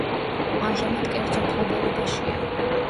ამჟამად კერძო მფლობელობაშია.